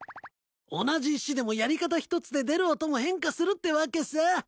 同じ石でもやり方一つで出る音も変化するってわけさ。